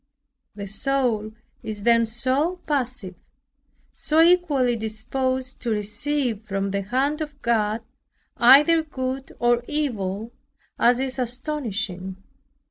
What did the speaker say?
The soul is then so passive, so equally disposed to receive from the hand of God either good or evil, as is astonishing.